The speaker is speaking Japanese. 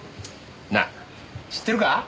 なあ知ってるか？